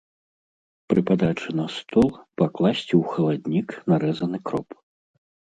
Пры падачы на стол пакласці ў халаднік нарэзаны кроп.